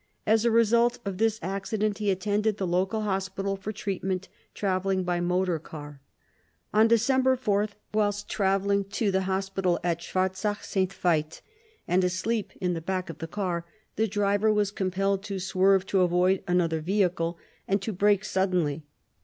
As a result of this accident, he attended the local hospital for treatment, traveling by motor car. On December 4th, whilst traveling to the hospital at Schwarzach St. Veith, and asleep in the back of the car, the driver was compelled to swerve to avoid another vehicle, and to brake suddenly.